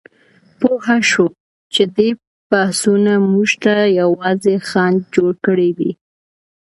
پوهه شو چې دې بحثونو موږ ته یوازې خنډ جوړ کړی دی.